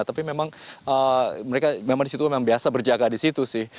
tapi memang mereka memang di situ memang biasa berjaga di situ sih